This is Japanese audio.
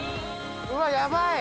うわっやばい。